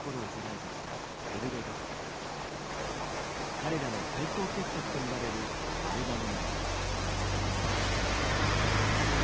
彼らの最高傑作といわれるアルバムがある。